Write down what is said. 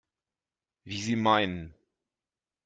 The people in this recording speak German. Wie Sie meinen.